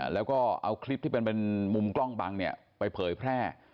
แล้วก็เอาคลิปที่เป็นมุมกล้องบังเนี่ยไปเผยแพร่